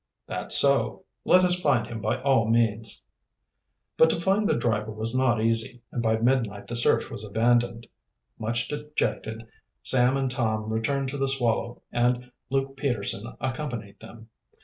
"That's so let us find him by all means." But to find the driver was not easy, and by midnight the search was abandoned. Much dejected, Sam and Tom returned to the Swallow, and Luke Peterson accompanied them.